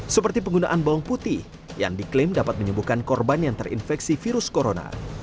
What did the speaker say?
seperti penggunaan bawang putih yang diklaim dapat menyembuhkan korban yang terinfeksi virus corona